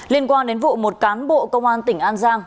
liên quan đến vụ một cán bộ công an tỉnh an giang